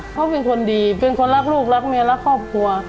เขาเป็นคนดีเป็นคนรักลูกรักเมียรักครอบครัว